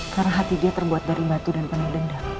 karena hati dia terbuat dari batu dan penuh dendam